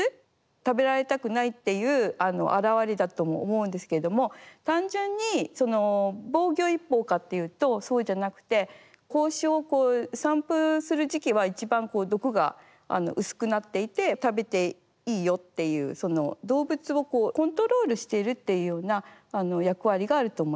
食べられたくないっていう表れだとも思うんですけれども単純に防御一方かっていうとそうじゃなくて胞子をこう散布する時期は一番毒が薄くなっていて食べていいよっていう動物をこうコントロールしてるっていうような役割があると思います。